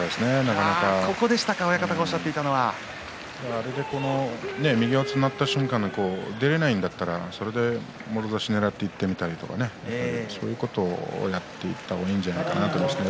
あれで右四つになった瞬間出られないんだったらばもろ差しをねらっていってみたりとかね、そういうことをやっていった方がいいと思うんですね